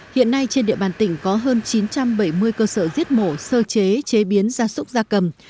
hiện nay trên địa bàn tỉnh có hơn chín trăm bảy mươi cơ sở giết mổ sơ chế chế biến gia súc gia cầm